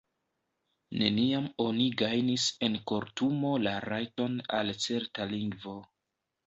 Neniam oni gajnis en kortumo la rajton al certa lingvo